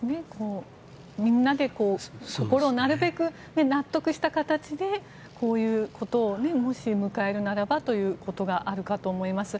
みんなで心をなるべく納得した形でこういうことをもし迎えるならばということがあるかと思います。